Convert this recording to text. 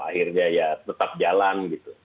akhirnya ya tetap jalan